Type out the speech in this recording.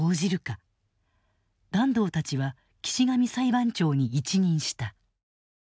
團藤たちは岸上裁判長に一任した。